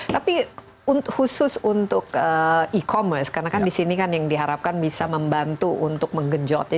tapi khusus untuk e commerce karena kan di sini kan yang diharapkan bisa membantu untuk menggenjot ya